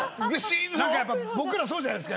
僕らそうじゃないですか。